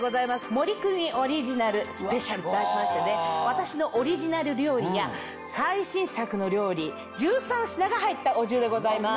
森クミオリジナルスペシャルと題しまして私のオリジナル料理や最新作の料理１３品が入ったお重でございます。